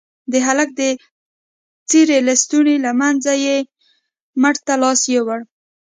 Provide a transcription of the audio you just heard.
د هلك د څيرې لستوڼي له منځه يې مټ ته لاس يووړ.